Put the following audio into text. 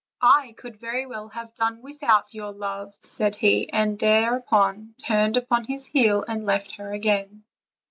"I could very well have done without your love," said he; and thereupon he turned upon his heel and left her again.